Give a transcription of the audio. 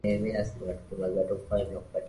tayari wamezoea makusanyo kama haya Hapa kuna